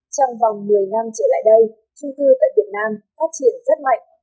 trong vòng một mươi năm trở lại đây trung cư tại việt nam phát triển rất mạnh